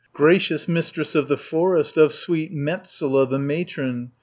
"Gracious Mistress of the Forest, Of sweet Metsola the matron!